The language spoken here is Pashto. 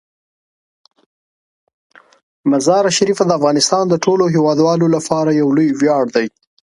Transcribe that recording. مزارشریف د افغانستان د ټولو هیوادوالو لپاره یو لوی ویاړ دی.